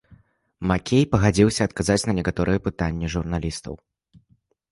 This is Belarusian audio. Макей пагадзіўся адказаць на некаторыя пытанні журналістаў.